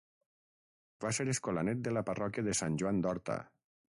Va ser escolanet de la parròquia de Sant Joan d'Horta.